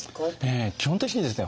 基本的にですね